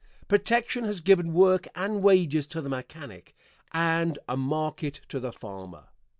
Protection has given work and wages to the mechanic and a market to the farmer.